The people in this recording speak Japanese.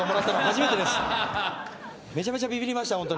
めちゃめちゃビビりました、ホントに。